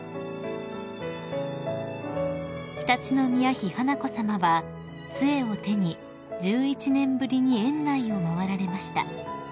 ［常陸宮妃華子さまはつえを手に１１年ぶりに苑内を回られました］